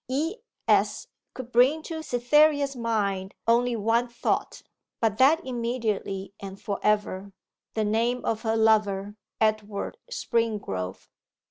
'E. S.' could bring to Cytherea's mind only one thought; but that immediately and for ever the name of her lover, Edward Springrove.